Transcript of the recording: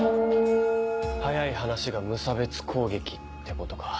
早い話が無差別攻撃ってことか。